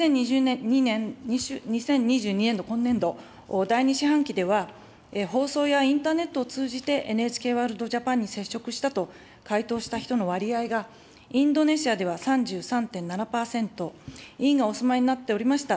２０２２年度・今年度、第２四半期では、放送やインターネットを通じてＮＨＫワールドＪＡＰＡＮに接触したと回答した人の割合が、インドネシアでは３３．７％、委員がお住まいになっておりました